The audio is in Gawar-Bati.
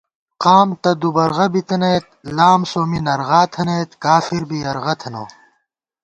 قام تہ دُوبرغہ بِتَنَئیت، لام سومّی نرغا تھنَئیت، کافر بی یرغہ تھنہ